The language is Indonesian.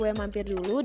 selamat pagi pur